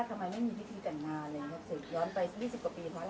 ย้อนไป๒๐กว่าปีเพราะอะไร